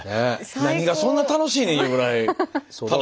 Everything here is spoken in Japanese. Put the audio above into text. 何がそんな楽しいねんいうぐらい楽しそうでしたよ。